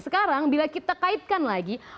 sekarang bila kita kaitkan lagi